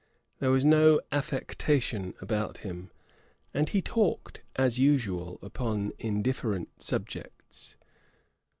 There was no affectation about him; and he talked, as usual, upon indifferent subjects.